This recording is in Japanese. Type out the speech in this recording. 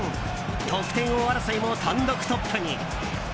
得点王争いも単独トップに。